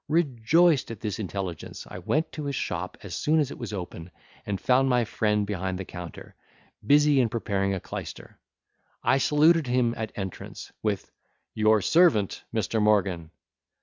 Rejoiced at this intelligence, I went to his shop as soon as it was open, and found my friend behind the counter, busy in preparing a clyster. I saluted him at entrance, with, "Your servant, Mr. Morgan."